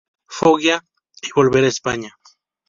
Foggia y volver a España.